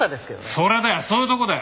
それだよそういうとこだよ！